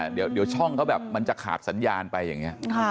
เดี๋ยวช่องเขาแบบมันจะขาดสัญญาณไปอย่างนี้